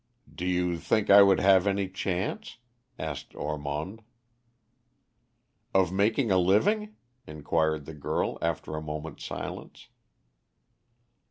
"Do you think I would have any chance?" asked Ormond. "Of making a living?" inquired the girl, after a moment's silence.